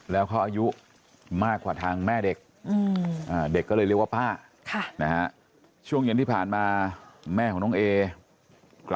แล้วเขาอายุมากกว่าทางแม่เด็กเด็กเลยเรียกว่าพ่อหรือพ่อของเด็ก